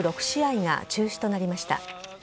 ６試合が中止となりました。